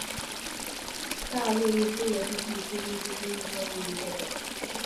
大陆议会也向新泽西州征召更多民兵戒备。